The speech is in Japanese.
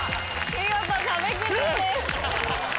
見事壁クリアです。